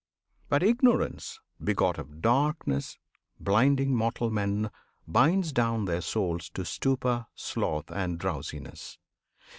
But Ignorance, begot Of Darkness, blinding mortal men, binds down Their souls to stupor, sloth, and drowsiness.